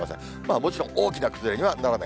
もちろん大きな崩れにはならない。